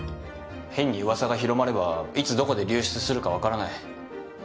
変に噂が広まればいつどこで流出するか分からない。